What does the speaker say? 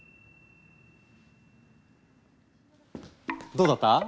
どうだった？